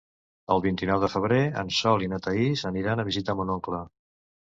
El vint-i-nou de febrer en Sol i na Thaís aniran a visitar mon oncle.